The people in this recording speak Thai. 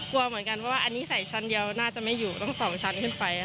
กลัวเหมือนกันว่าอันนี้ใส่ชั้นเดียวน่าจะไม่อยู่ต้อง๒ชั้นขึ้นไป